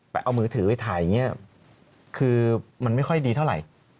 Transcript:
เอามือถือไปถ่ายอย่างนี้คือมันไม่ค่อยดีเท่าไหร่